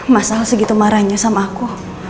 masalah segitu marahnya sama aku